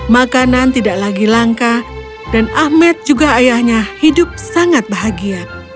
makanan tidak lagi langka dan ahmed juga ayahnya hidup sangat bahagia